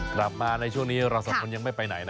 กลับมาในช่วงนี้เราสองคนยังไม่ไปไหนนะ